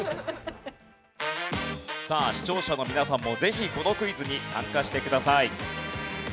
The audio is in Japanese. さあ視聴者の皆さんもぜひこのクイズに参加してください。